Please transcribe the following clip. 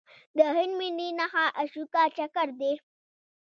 د هند ملي نښه اشوکا چکر دی.